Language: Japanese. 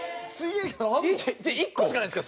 １個しかないんですか？